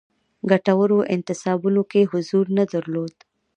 ګټورو انتصابونو کې حضور نه درلود.